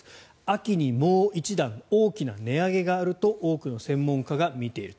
秋にもう一段、大きな値上げがあると多くの専門家が見ている。